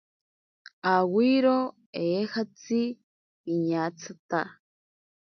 Awiro eejatzi piñatsata.